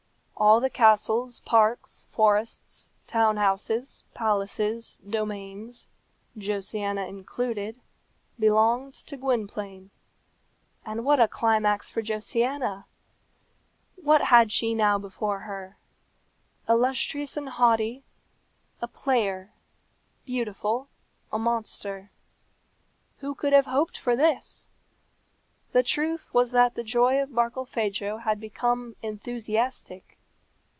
All the castles, parks, forests, town houses, palaces, domains, Josiana included, belonged to Gwynplaine. And what a climax for Josiana! What had she now before her? Illustrious and haughty, a player; beautiful, a monster. Who could have hoped for this? The truth was that the joy of Barkilphedro had become enthusiastic.